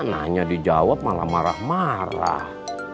nanya dijawab malah marah marah